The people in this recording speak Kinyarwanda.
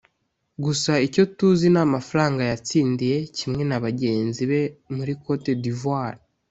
Gusa icyo tuzi ni amafaranga yatindiye kimwe na bagenzi be muri Cote d’Ivoire